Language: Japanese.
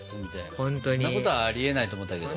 そんなことはありえないと思ったけど。